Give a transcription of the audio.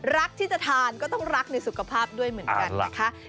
รักที่จะทานก็ต้องรักในสุขภาพด้วยเหมือนกันนะคะ